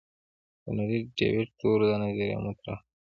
هنري ډیویډ تورو دا نظریه مطرح کړه.